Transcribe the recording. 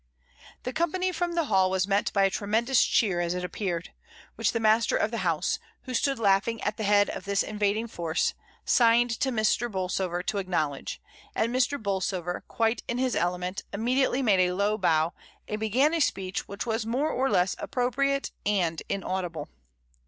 The company from the Hall was met by a tremendous cheer as it appeared — which the master of the house, who stood laughing at the head of this invading force, signed to Mr. Bolsover to acknowledge; and Mr. Bolsover, quite in his element, immediately made a low bow, and be IN A GIG. 37 gan a speech which was more or less appropriate and inaudible.